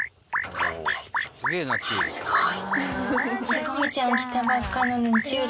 すごい。